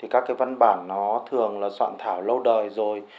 các văn bản thường soạn thảo lâu đời rồi